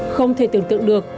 không thể tưởng tượng được